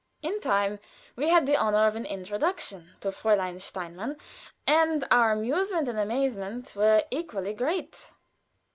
In time we had the honor of an introduction to Fräulein Steinmann, and our amazement and amusement were equally great.